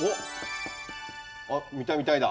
あっ「見たい」「見たい」だ。